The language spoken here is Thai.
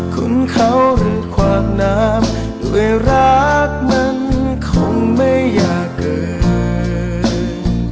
คุณเขามีความน้ำด้วยรักมันคงไม่อยากเกิด